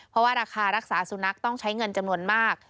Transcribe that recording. เพราะว่าราคารักษาสุนัขต้องใช้เงินจำนวนมาก